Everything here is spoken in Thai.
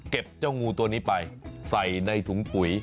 เจ้างูตัวนี้ไปใส่ในถุงปุ๋ย